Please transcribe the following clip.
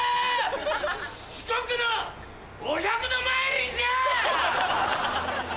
四国のお百度参りじゃ！